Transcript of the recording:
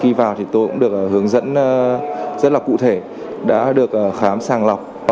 khi vào thì tôi cũng được hướng dẫn rất là cụ thể đã được khám sàng lọc